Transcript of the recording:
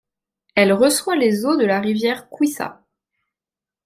Elle reçoit les eaux de la rivière Kwisa.